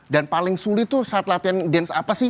dan paling sulit tuh saat latihan dance apa sih